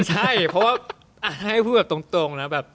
ใช่เพราะว่าให้พูดแบบตรงนะแบบ